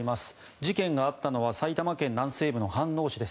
事件があったのは埼玉県南西部の飯能市です。